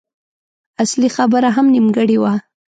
اصلي خبره هم نيمګړې وه.